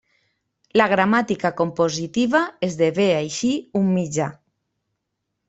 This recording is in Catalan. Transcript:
La gramàtica compositiva esdevé així un mitjà.